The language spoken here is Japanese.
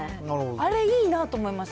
あれいいなと思いました。